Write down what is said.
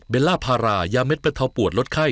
ล่าพารายาเม็ดบรรเทาปวดลดไข้